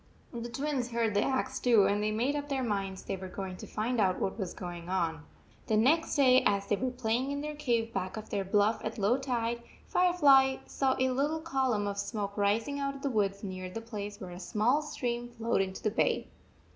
The Twins heard the axe too, and they made up their minds they were going to find out what was going on. The next day, as they were playing in their cave back of their bluff at low tide, Firefly saw a little column of smoke rising out of the woods near the place where a small stream flowed into the bay.